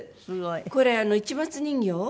これ市松人形。